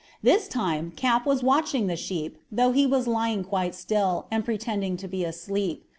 This time Cap was watching the sheep, though he was lying quite still, and pretending to be asleep.